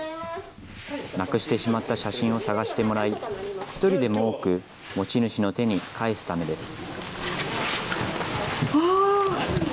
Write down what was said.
なくしてしまった写真を探してもらい、一人でも多く持ち主の手に返すためです。